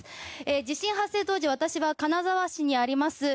地震発生当時私は金沢市にあります